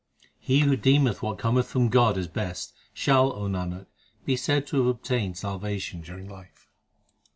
He who deemeth what cometh from God as best, Shall, O Nanak, be said to have obtained salvation during life.